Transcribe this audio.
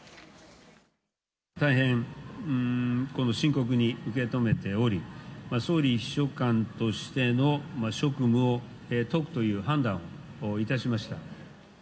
大変深刻に受け止めており、総理秘書官としての職務を解くという判断をいたしました。